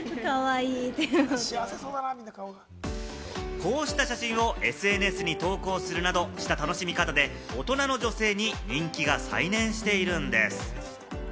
こうした写真をＳＮＳに投稿するなどした楽しみ方で大人の女性に人気が再燃しているんです。